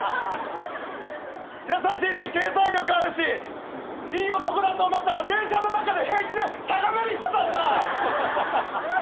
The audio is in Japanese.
優しいし経済力あるしいい男だと思ったら電車の中で平気でしゃがめる人だった！